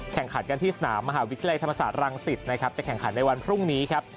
แข่งขันกันที่สนามมหาวิทยาลัยธรรมศาสตรังสิตนะครับจะแข่งขันในวันพรุ่งนี้ครับ